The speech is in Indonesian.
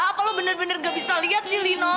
apa lo bener bener gak bisa liat sih lino